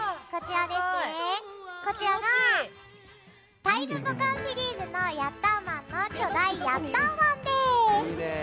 こちらが「タイムボカン」シリーズの「ヤッターマン」の巨大ヤッターワンです。